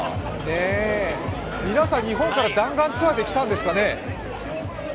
皆さん日本から弾丸ツアーで来たんですかね。